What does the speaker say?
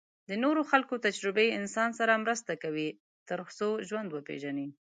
د نورو خلکو تجربې انسان سره مرسته کوي تر څو ژوند وپېژني.